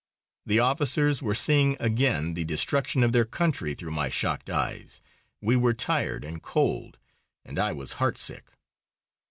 The officers were seeing again the destruction of their country through my shocked eyes. We were tired and cold, and I was heartsick.